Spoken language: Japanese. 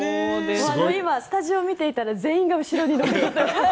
今、スタジオを見ていたら全員が後ろにのけ反って。